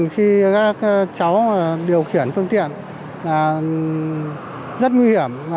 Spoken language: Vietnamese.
khi các cháu điều khiển phương tiện rất nguy hiểm